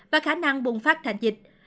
và khả năng bùng phát thành dịch